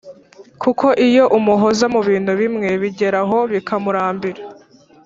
kuko iyo umuhoza mu bintu bimwe bigera aho bikamurambira